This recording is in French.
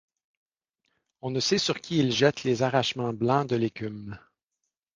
On ne sait sur qui ils jettent les arrachements blancs de l’écume.